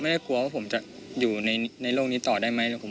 กลัวว่าผมจะอยู่ในโลกนี้ต่อได้ไหม